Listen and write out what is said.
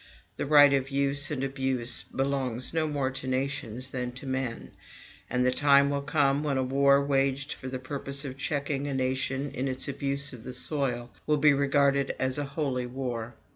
The right of use and abuse belongs no more to nations than to men; and the time will come when a war waged for the purpose of checking a nation in its abuse of the soil will be regarded as a holy war.